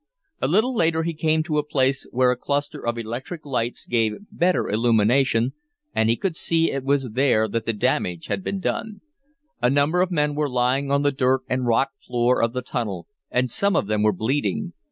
A little later he came to a place where a cluster of electric lights gave better illumination, and he could see it was there that the damage had been done. A number of men were lying on the dirt and rock floor of the tunnel, and some of them were bleeding.